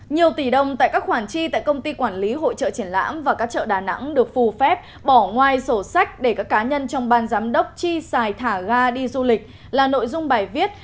nhiều tỷ đồng tại các khoản chi tại công ty quản lý hội trợ triển lãm và các chợ đà nẵng được phù phép bỏ ngoài sổ sách để các cá nhân trong ban giám đốc chi xài thả ga đi du lịch là nội dung bài viết